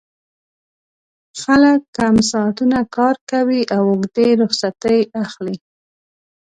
خلک کم ساعتونه کار کوي او اوږدې رخصتۍ اخلي